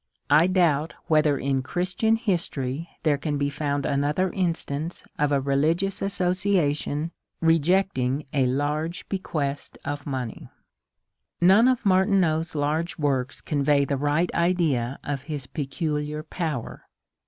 I doubt whether in Christian history there can be found another instance of a religious association rejecting a large bequest of money. None of Martineau's large works convey the right idea of his peculiar power.